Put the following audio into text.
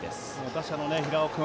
打者の平尾君